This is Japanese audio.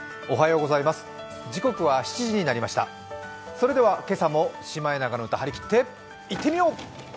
それでは今朝もシマエナの歌、張り切っていってみよう。